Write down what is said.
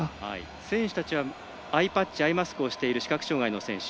選手たちはアイパッチアイマスクをしている視覚障がいの選手。